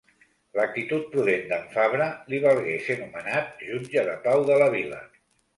L'actitud prudent d'en Fabre li valgué ser nomenat jutge de pau de la vila.